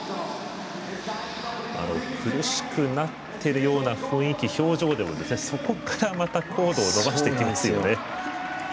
苦しくなってるような雰囲気、表情でもそこから、また高度を伸ばしてくるというね。